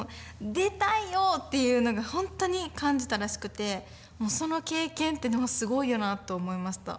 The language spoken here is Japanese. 出たいよっていうのがほんとに感じたらしくてその経験ってのもすごいよなと思いました。